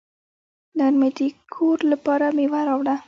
نن مې د کور لپاره میوه راوړه.